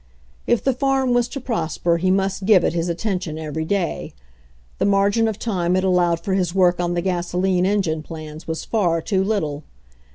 If the farm was to prosper he must give it his attention every day. The margin of time it al lowed for his work on the gasoline engine plans was far too little.